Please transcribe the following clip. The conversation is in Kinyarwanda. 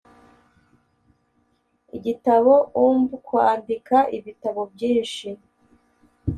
igitabo umb kwandika ibitabo byinshi